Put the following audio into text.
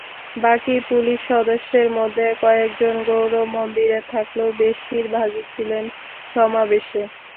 বাকি পুলিশ সদস্যদের মধ্যে কয়েকজন গৌর মন্দিরে থাকলেও বেশির ভাগই ছিলেন সমাবেশে।